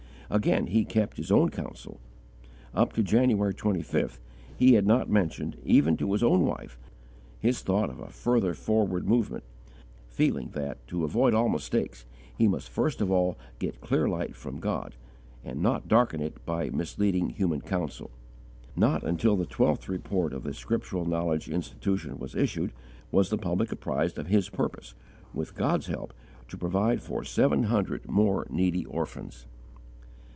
Again, he kept his own counsel. Up to January 25th, he had not mentioned, even to his own wife, his thought of a further forward movement, feeling that, to avoid all mistakes, he must first of all get clear light from God, and not darken it by misleading human counsel. Not until the Twelfth Report of the Scriptural Knowledge Institution was issued, was the public apprised of his purpose, with God's help to provide for seven hundred more needy orphans.